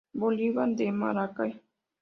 Bolívar de Maracay.